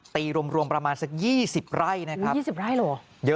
รวมประมาณสัก๒๐ไร่นะครับ๒๐ไร่เหรอ